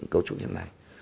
cấu trúc như thế này